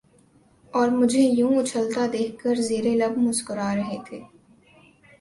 اور مجھے یوں اچھلتا دیکھ کر زیرلب مسکرا رہے تھے